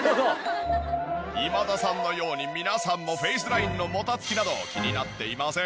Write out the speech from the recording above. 今田さんのように皆さんもフェイスラインのもたつきなど気になっていませんか？